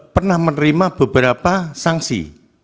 pernah menerima beberapa sanksi